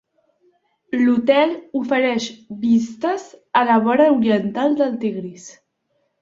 L'hotel ofereix vistes a la vora oriental del Tigris.